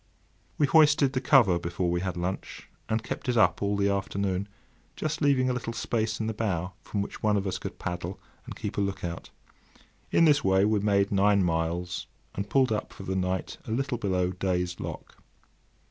We hoisted the cover before we had lunch, and kept it up all the afternoon, just leaving a little space in the bow, from which one of us could paddle and keep a look out. In this way we made nine miles, and pulled up for the night a little below Day's Lock.